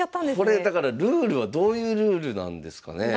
これだからルールはどういうルールなんですかねえ。